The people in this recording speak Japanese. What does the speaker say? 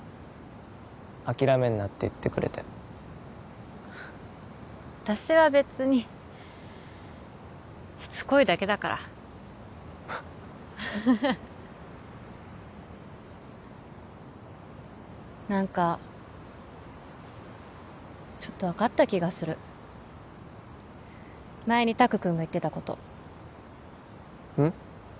諦めんなって言ってくれて私は別にしつこいだけだからフッハハハハ何かちょっと分かった気がする前に拓くんが言ってたことうん？